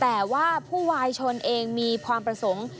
แต่ว่าผู้วายชนเองมีความประสงค์